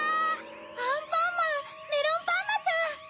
アンパンマンメロンパンナちゃん！